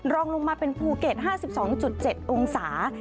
รองลงมาเป็นภูเก็ต๕๒๗องศา